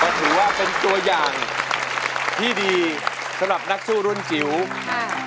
ก็ถือว่าเป็นตัวอย่างที่ดีสำหรับนักสู้รุ่นจิ๋วอ่า